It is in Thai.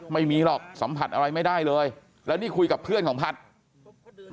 ไม่มีหรอกสัมผัสอะไรไม่ได้เลยแล้วนี่คุยกับเพื่อนของพัฒน์